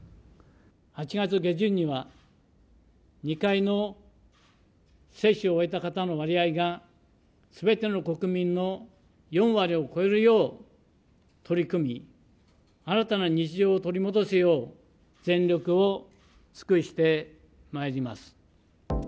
８月下旬には、２回の接種を終えた方の割合がすべての国民の４割を超えるよう取り組み、新たな日常を取り戻すよう、全力を尽くしてまいります。